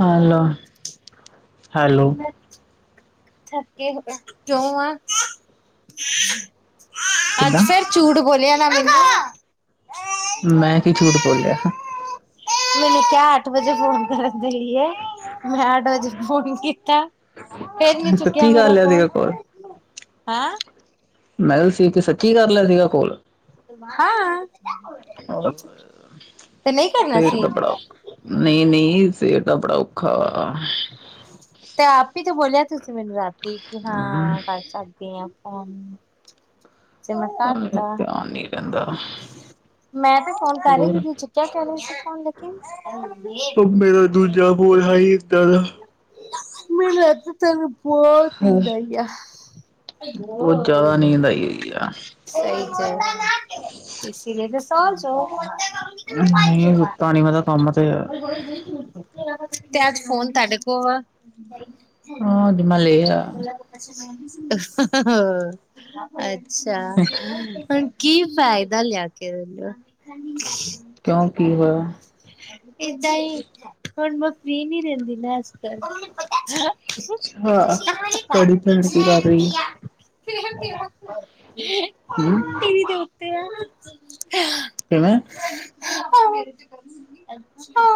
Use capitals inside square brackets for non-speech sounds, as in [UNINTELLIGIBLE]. Hello. Hello ਇਹਨਾਂ'ਚ ਥੱਕੇ ਹੋਏ ਆ ਕਿਉਂ ਆ, ਅੱਜ ਕਿੱਦਾਂ ਫਿਰ ਝੂਠ ਬੋਲਿਆ ਨਾ, ਮੈਨੂੰ। ਮੈਂ ਕੀ ਝੂਠ ਬੋਲਿਆ? ਮੈਨੂੰ ਕਿਹਾ ਅੱਠ ਵਜੇ ਫੋਨ ਕਰੰਦਈ ਏ। ਮੈਂ ਅੱਠ ਵਜੇ ਫੋਨ ਕੀਤਾ। [INAUDIBLE] [UNINTELLIGIBLE] ਗਿਆ ਮੇਰਾ ਫੋਨ, ਸੀਗਾ ਕੋਲ ਹੈਂ? ਮੈਂ ਲ ਸੀ ਤੇ ਸੱਚੀ ਕਰ ਲਿਆ ਸੀਗਾ, ਕੌਲ? ਹਾਂ ਤੇ ਨਹੀਂ ਕਰਨਾ ਸੀ? ਨਹੀਂ-ਨਹੀਂ, ਫਿਰ ਤਾ ਬੜਾ ਔਖਾ ਵਾ। ਤੇ ਆਪ ਈ ਤੇ ਬੋਲਿਆ ਤੁਸੀਂ ਮੈਨੂੰ ਰਾਤੀ ਕਿ ਹਾਂ, ਕਰ ਸਕਦੀ ਆਂ ਫੋਨ। ਤੇ ਮੈਂ ਟਾਟਾ ਕਹਿੰਦਾ ਮੈਂ ਤੇ ਫੋਨ ਕਰ ਰਹੀ ਸੀ, ਤੁਸੀਂ ਚੁੱਕਿਆ ਕਿਉ ਨੀ ਸੀ ਫੋਨ ਲੇਕਿਨ? ਉਹ ਮੇਰਾ ਦੂਜਾ ਕੌਲ ਹਾਈ ਕਿੱਧਰ? ਮੈਨੂੰ ਇਥੇ, ਤੈਨੂੰ ਬੋਤ ਨੀਂਦ ਆਈ ਆ। ਕੀ ਆ? ਸਹੀ'ਚ ਇਸੇ ਲਈ ਤੇ ਸਾਲ'ਚੋ ਨਹੀਂ ਸੁੱਤਾ ਨੀ, ਮੈਂ ਤਾਂ ਕੰਮ ਤੇ ਆ। [INAUDIBLE] ਤੇ ਅੱਜ ਫੋਨ ਤੁਹਾਡੇ ਕੋਲ ਹਾਂ ਅੱਜ ਮੈਂ ਲਿਆ ਅੱਛਾ, ਹੁਣ ਕੀ ਫਾਇਦਾ ਲਿਆਕੇ ਉਹਦਾ? ਕਿਉਂ ਕੀ ਹੋਇਆ ਏਦਾਂ ਈ, ਹੁਣ ਮੈਂ ਫ੍ਰੀ ਨੀ ਰਹਿੰਦੀ ਨਾ, ਅੱਜ-ਕੱਲ। ਅੱਛਾ, ਤੂਹਾਡੀ ਭੈਣ ਕੀ ਕਰ ਰਹੀ? ਹਮ ਟੀਵੀ ਦੇ ਆ। ਕਿਵੇਂ? ਹਾਂ